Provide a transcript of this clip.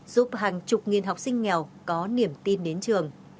giúp hàng chục nghìn học sinh nghèo có niềm tin đến trường